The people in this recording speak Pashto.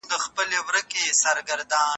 که زده کوونکی پر ځان باور ونلري نو هڅه نه کوي.